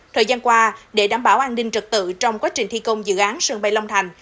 thời gian qua để đảm bảo an ninh trật tự trong quá trình thi công dự án sân bay long thành